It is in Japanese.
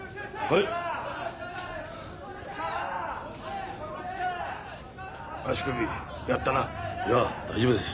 いや大丈夫です。